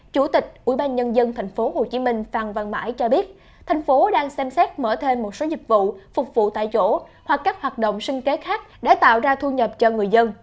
chủ tịch ubnd tp hcm phan văn mãi cho biết thành phố đang xem xét mở thêm một số dịch vụ phục vụ tại chỗ hoặc các hoạt động sinh kế khác để tạo ra thu nhập cho người dân